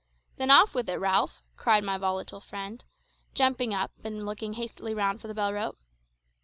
"Then off with it, Ralph," cried my volatile friend, jumping up and looking hastily round for the bell rope.